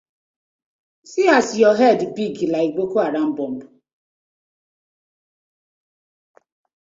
See as yu head big like Boko Haram bomb.